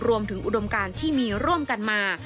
อุดมการที่มีร่วมกันมา